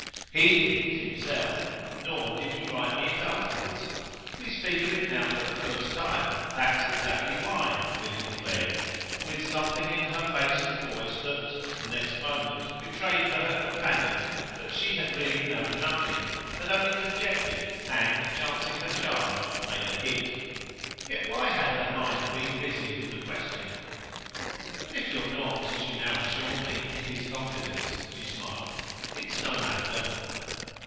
"HE didn't himself nor did you write me it afterwards. We speak of it now for the first time. That's exactly why!" Milly declared with something in her face and voice that, the next moment, betrayed for her companion that she had really known nothing, had only conjectured and, chancing her charge, made a hit. Yet why had her mind been busy with the question? "But if you're not, as you now assure me, in his confidence," she smiled, "it's no matter."